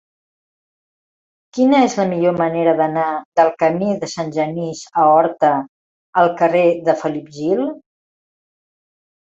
Quina és la millor manera d'anar del camí de Sant Genís a Horta al carrer de Felip Gil?